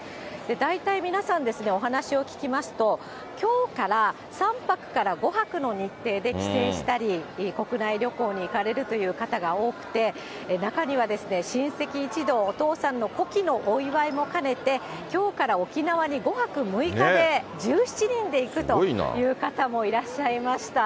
大体皆さん、お話を聞きますと、きょうから３泊から５泊の日程で帰省したり、国内旅行に行かれるという方が多くて、なかには親戚一同、お父さんの古希のお祝いも兼ねて、きょうから沖縄に５泊６日で１７人で行くという方もいらっしゃいました。